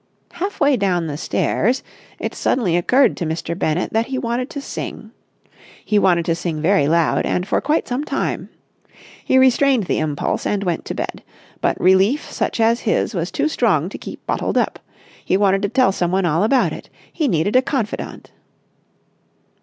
Half way down the stairs, it suddenly occurred to Mr. Bennett that he wanted to sing. He wanted to sing very loud, and for quite some time. He restrained the impulse, and returned to bed. But relief such as his was too strong to keep bottled up. He wanted to tell someone all about it. He needed a confidant.